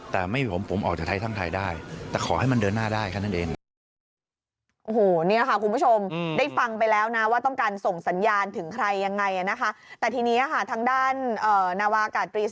แต่ไม่มีผมผมออกจากไทยสร้างไทยได้